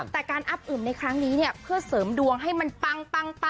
แต่การอับอึมในครั้งนี้เนี่ยเพื่อเสริมดวงให้มันปัง